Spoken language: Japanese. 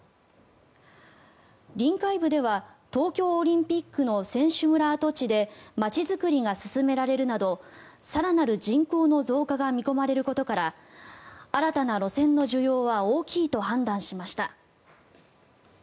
臨海部では東京オリンピックの選手村跡地で街づくりが進められるなど更なる人口の増加が見込まれることから新たな路線の需要は大きいと判断しました。